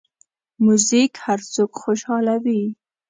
موزیک هر څوک خوشحالوي.